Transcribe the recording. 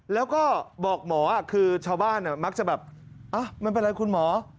แล้วก็บอกหมอคือชาวบ้านมักจะแบบไม่เป็นไรคุณหมอ